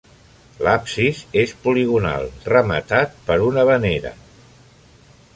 L'absis és poligonal, rematat per una venera.